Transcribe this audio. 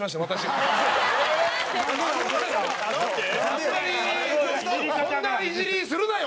あんまり「そんなイジりするなよ！」